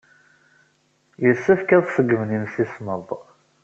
Yessefk ad ṣeggmen imsismeḍ.